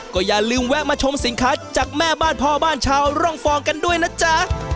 ก็อย่าลืมแวะมาชมสินค้าจากแม่บ้านพ่อบ้านชาวร่องฟองกันด้วยนะจ๊ะ